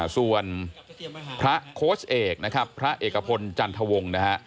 ส่วนพระโค้ชเอกนะครับพระเอกพลจันทวงศ์นะฮะ